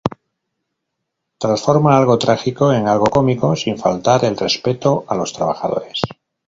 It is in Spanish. Transforma algo trágico en algo cómico sin faltar el respeto a los trabajadores.